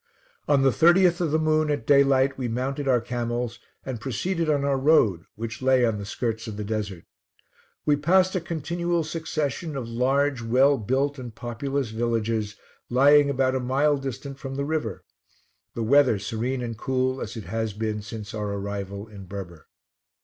On the 30th of the Moon, at day light, we mounted our camels, and proceeded on our road, which lay on the skirts of the desert. We passed a continual succession of large, well built and populous villages, lying about a mile distant from the river; the weather serene and cool, as it has been since our arrival in Berber.